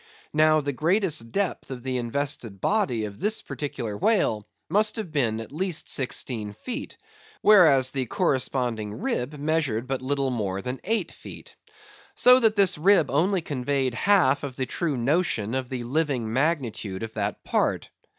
Now, the greatest depth of the invested body of this particular whale must have been at least sixteen feet; whereas, the corresponding rib measured but little more than eight feet. So that this rib only conveyed half of the true notion of the living magnitude of that part.